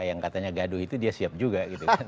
yang katanya gaduh itu dia siap juga